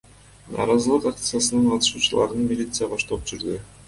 Нааразылык акциясынын катышуучуларын милиция коштоп жүрдү.